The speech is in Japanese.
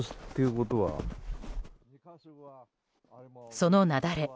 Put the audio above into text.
その雪崩。